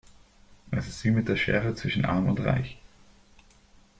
Es ist wie mit der Schere zwischen arm und reich.